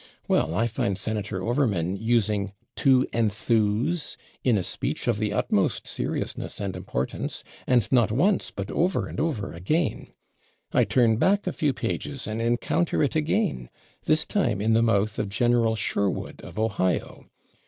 Well, I find Senator Overman using /to enthuse/ in a speech of the utmost seriousness and importance, and not once, but over and over again. I turn back a few pages and encounter it again this time in the mouth of General Sherwood, of Ohio.